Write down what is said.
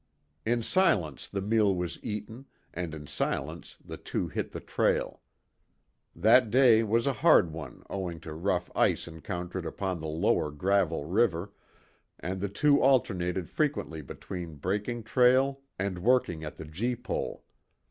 In silence the meal was eaten, and in silence the two hit the trail. That day was a hard one owing to rough ice encountered upon the lower Gravel River, and the two alternated frequently between breaking trail and working at the gee pole.